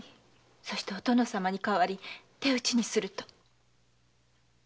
そしてお殿様に代わり手討ちにすると。